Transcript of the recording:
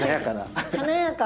華やか！